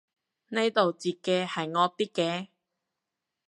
呢度截嘅係惡啲嘅